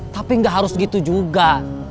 tapi nggak harus gitu juga